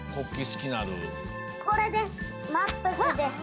これです。